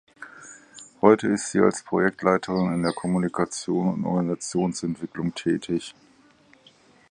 Heute ist sie als Projektleiterin in der Kommunikation und Organisationsentwicklung tätig.